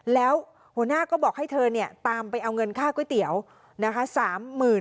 แล้วหัวหน้าก็บอกให้เธอเนี่ยตามไปเอาเงินค่าก๋วยเตี๋ยวนะคะ